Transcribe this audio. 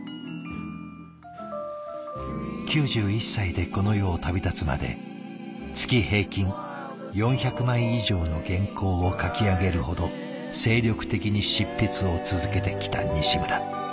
９１歳でこの世を旅立つまで月平均４００枚以上の原稿を書き上げるほど精力的に執筆を続けてきた西村。